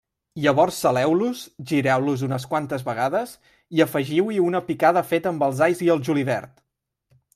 Llavors saleu-los, gireu-los unes quantes vegades i afegiu-hi una picada feta amb els alls i el julivert.